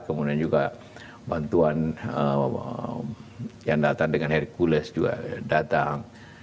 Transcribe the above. kemudian juga bantuan yang datang dengan hercules juga datang